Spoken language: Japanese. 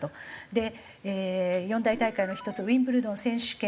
で４大大会の１つウィンブルドン選手権。